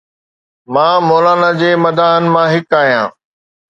مان مولانا جي مداحن مان هڪ آهيان.